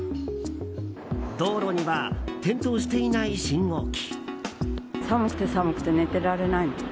道路には点灯していない信号機。